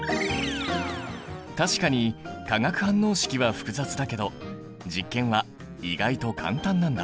確かに化学反応式は複雑だけど実験は意外と簡単なんだ。